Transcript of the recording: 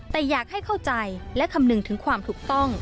แต่อยากให้เข้าใจและคำนึงถึงความถูกต้อง